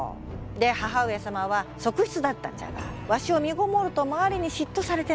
で母上様は側室だったんじゃがわしをみごもると周りに嫉妬されてな。